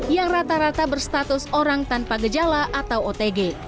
yang rata rata berstatus orang tanpa gejala atau otg